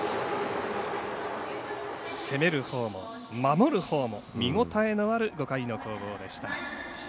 攻めるほうも守るほうも見応えのある５回の攻防でした。